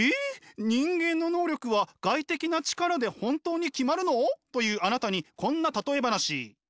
人間の能力は外的な力で本当に決まるの？というあなたにこんな例え話。